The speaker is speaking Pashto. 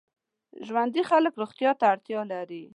ژوندي خلک روغتیا ته اړتیا لري